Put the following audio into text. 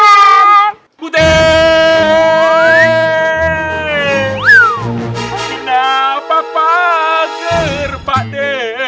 geri father kenapa pangger father